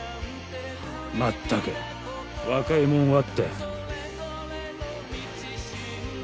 「まったく若いもんは」って。